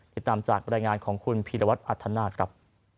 ติดตามจากบรรยายงานของคุณพีรวัตรอัธนาคครับ